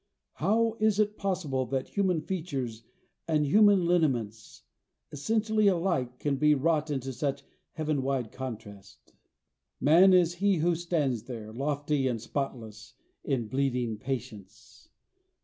How is it possible that human features and human lineaments essentially alike, can be wrought into such heaven wide contrast? MAN is he who stands there, lofty and spotless, in bleeding patience!